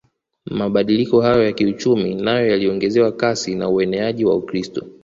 Mabadiliko hayo ya kiuchumi nayo yaliongezewa kasi na ueneaji wa Ukristo